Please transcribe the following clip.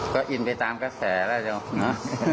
ก็อินไปตามกระแสแล้วเนอะ